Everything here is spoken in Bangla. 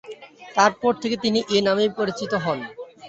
তারপর থেকে তিনি এ নামেই পরিচিত হন।